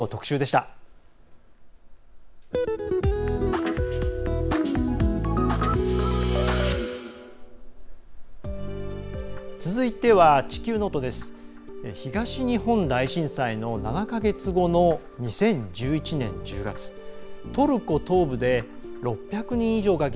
東日本大震災の７か月後の２０１１年１０月。